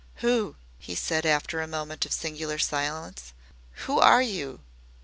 "Who," he said after a moment of singular silence, "who are you?"